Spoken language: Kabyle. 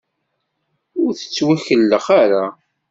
Ur tettwekellex ara.